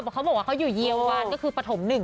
พร้อมว่าเขาอยู่เยียววันก็คือประถม๑วันหนึ่ง